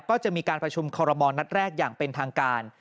ก็จะมีการประชุมคอรมณ์นัดแรกอย่างเป็นทางการ